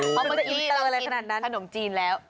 อ๋อมันจะอินเตอร์อะไรพนั่นนั้นคุณพามากินขนมจีนแล้ว